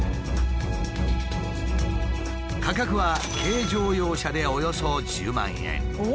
価格は軽乗用車でおよそ１０万円。